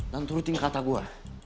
dan terutamanya kata gue